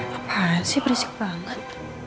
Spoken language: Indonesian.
apaan sih berisik banget